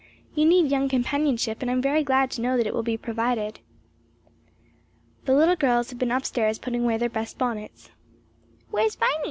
"You need young companionship and I am very glad to know that it will be provided." The little girls had been up stairs putting away their best bonnets. "Where's Viny?"